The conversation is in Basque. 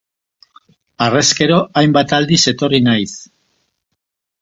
Harrezkero, hainbat aldiz etorri naiz.